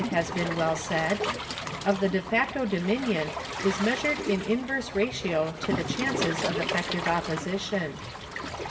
§ 99] POSSESSION 245 been well said/ " of de facto dominion is measured in inverse ratio to the chances of effective opposition."